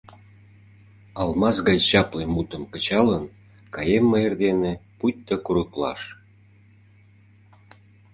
Алмаз гай чапле мутым кычалын, каем мый эрдене пуйто курыклаш.